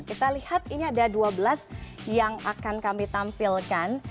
kita lihat ini ada dua belas yang akan kami tampilkan